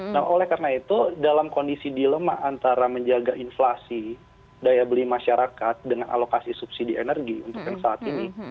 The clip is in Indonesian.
nah oleh karena itu dalam kondisi dilema antara menjaga inflasi daya beli masyarakat dengan alokasi subsidi energi untuk yang saat ini